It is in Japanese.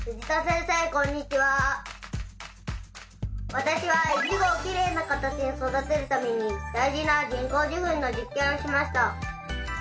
私はイチゴをきれいな形に育てるために大事な人工授粉の実験をしました。